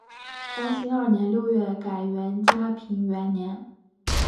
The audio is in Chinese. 光兴二年六月改元嘉平元年。